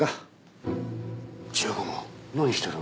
千代駒何してる。